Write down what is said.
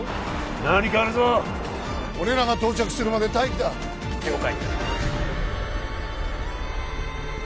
何かあるぞ俺らが到着するまで待機だ了解